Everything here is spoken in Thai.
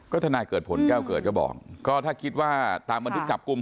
ทนายเกิดผลแก้วเกิดก็บอกก็ถ้าคิดว่าตามบันทึกจับกลุ่ม